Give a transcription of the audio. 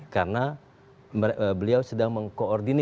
karena beliau sedang mengkoordinasi